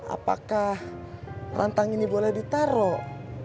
apakah rantang ini boleh ditaruh